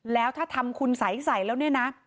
แล้วถ้าทำคุณสัยใส่แล้วเนี่ยนะ